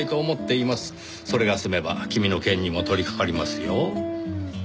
それが済めば君の件にも取り掛かりますよ。